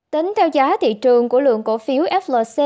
tính theo giá thị trường của lượng cổ phiếu flc